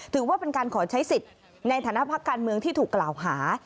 ถือว่าเป็นการขอใช้สิทธิ์ในฐานะพักการเมืองที่ถูกกล่าวหา